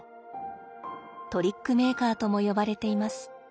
トリックメーカーとも呼ばれています。